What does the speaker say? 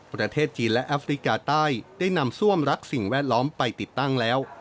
ประเทศจีนและแอฟริกาใต้ได้นำซ่วมรักสิ่งแวดล้อมไปติดตั้งแล้ว